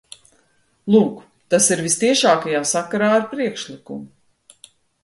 Lūk, tas ir vistiešākajā sakarā ar priekšlikumu.